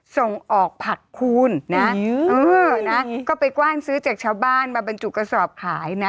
ส่งออกผักคูณนะเออนะก็ไปกว้านซื้อจากชาวบ้านมาบรรจุกระสอบขายนะ